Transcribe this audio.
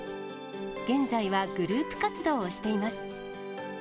現在はグループ活動をしています。